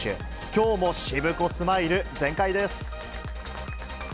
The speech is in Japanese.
きょうもしぶこスマイル全開です。